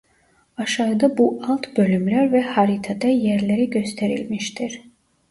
Aşağıda bu alt bölümler ve haritada yerleri gösterilmiştir.